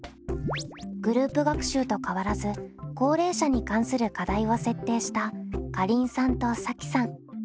グループ学習と変わらず高齢者に関する課題を設定したかりんさんとさきさん。